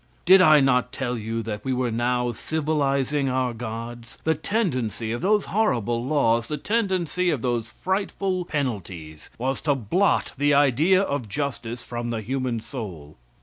Did I not tell you that we were now civilizing our gods? The tendency of those horrible laws, the tendency of those frightful penalties, was to blot the idea of justice from the human soul.